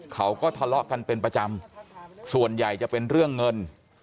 เขาก็ทะเลาะกันเป็นประจำส่วนใหญ่จะเป็นเรื่องเงิน